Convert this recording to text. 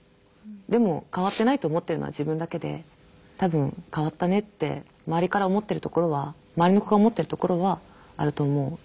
でも変わってないと思ってるのは自分だけで多分変わったねって周りから思ってるところは周りの子が思ってるところはあると思う。